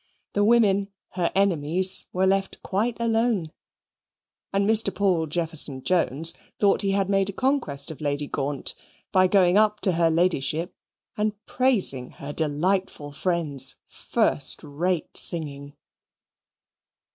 The women, her enemies, were left quite alone. And Mr. Paul Jefferson Jones thought he had made a conquest of Lady Gaunt by going up to her Ladyship and praising her delightful friend's first rate singing.